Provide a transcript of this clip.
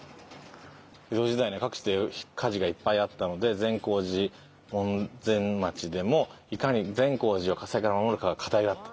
「江戸時代に各地で火事がいっぱいあったので善光寺門前町でもいかに善光寺を火災から守るかが課題だった」